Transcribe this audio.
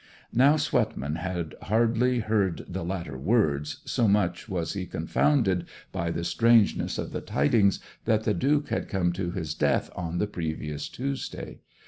Now Swetman had hardly heard the latter words, so much was he confounded by the strangeness of the tidings that the Duke had come to his death on the previous Tuesday.